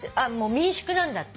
民宿なんだって。